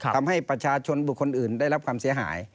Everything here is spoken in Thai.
ทำให้ประชาชนบุคคลอื่นได้รับความเสียหาย